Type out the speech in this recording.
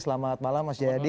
selamat malam mas jayadi